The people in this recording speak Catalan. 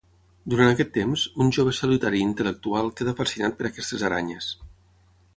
Durant aquest temps, un jove solitari i intel·lectual queda fascinat per aquestes aranyes.